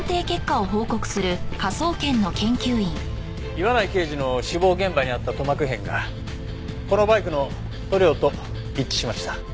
岩内刑事の死亡現場にあった塗膜片がこのバイクの塗料と一致しました。